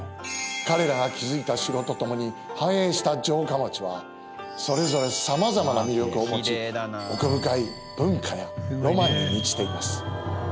彼らが築いた城とともに繁栄した城下町はそれぞれさまざまな魅力を持ち奥深い文化やロマンに満ちています。